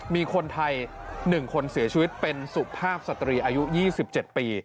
มีคนไทย๑คนเสียชีวิตเป็นสุภาพสตรีอายุ๒๗ปี